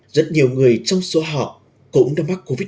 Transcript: rất nhiều người trong số họ cũng đã mắc covid một mươi